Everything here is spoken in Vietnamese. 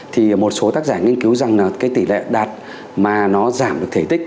thì một số tác giả nghiên cứu rằng là cái tỷ lệ đạt mà nó giảm được thể tích